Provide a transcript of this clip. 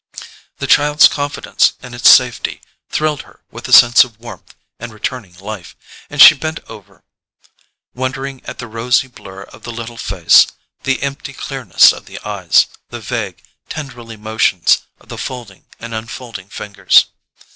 The child's confidence in its safety thrilled her with a sense of warmth and returning life, and she bent over, wondering at the rosy blur of the little face, the empty clearness of the eyes, the vague tendrilly motions of the folding and unfolding fingers.